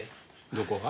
どこが？